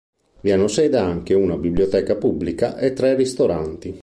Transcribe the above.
Vi hanno sede anche una biblioteca pubblica e tre ristoranti.